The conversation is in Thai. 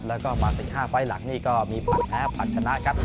แล้วก็มา๑๕ไฟล์หลังก็มีผ่านแท้ผ่านชนะครับ